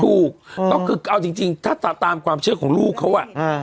ถูกก็คือเอาจริงถ้าตามความเชื่อของลูกเขาอ่ะ